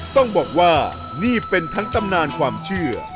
ต้องบอกว่านี่เป็นทั้งตำนานความเชื่อ